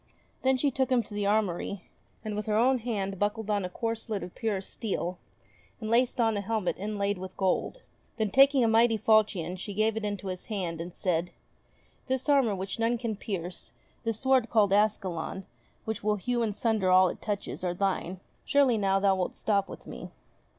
Then she took him to the armoury, and with her own hand buckled on a corselet of purest steel, and laced on a helmet inlaid with gold. Then, taking a mighty falchion, she gave it into his hand, and said : "This armour which none can pierce, this sword called Ascalon, which will hew in sunder all it touches, are thine ; surely now thou wilt stop with me